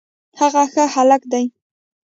هغه ښه هلک دی